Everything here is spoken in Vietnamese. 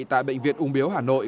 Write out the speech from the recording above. tại bệnh viện ung biếu hà nội